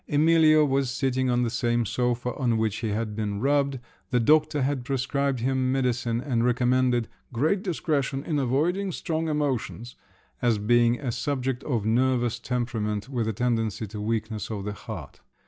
Emilio was sitting on the same sofa, on which he had been rubbed; the doctor had prescribed him medicine and recommended "great discretion in avoiding strong emotions" as being a subject of nervous temperament with a tendency to weakness of the heart.